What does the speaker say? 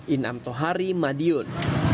inam tohari madiun